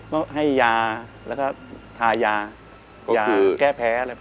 ก็ให้ยาแล้วก็ทายายาแก้แพ้อะไร